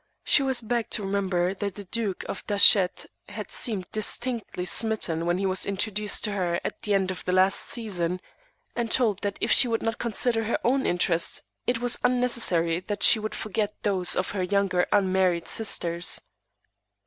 She was begged to remember that the Duke of Dachet had seemed distinctly smitten when he was introduced to her at the end of the last season; and told that if she would not consider her own interests it was unnecessary that she should forget those of her younger unmarried sisters.